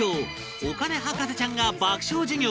お金博士ちゃんが爆笑授業